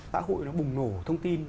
xã hội nó bùng nổ thông tin